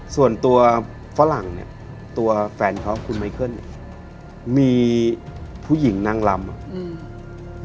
ส่วนตัวฝรั่งเนี้ยตัวแฟนเขาคุณไมเคิลเนี่ยมีผู้หญิงนางลำอ่ะอืม